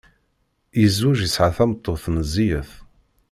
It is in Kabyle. Yezweǧ yesɛa tameṭṭut meẓẓiyet.